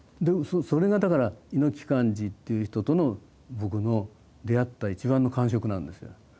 それがだから猪木寛至っていう人とのぼくの出会った一番の感触なんですよ。